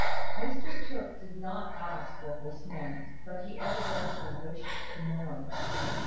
Mr Tooke did not ask what this meant; but he evidently wished to know.